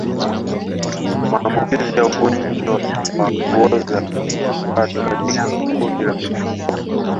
Maambukizi ya ugonjwa wa kuoza kwato katika kundi la mifugo